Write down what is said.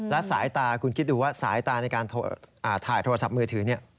และสายตาคุณคิดดูว่าสายตาในการถ่ายโทรศัพท์มือถือ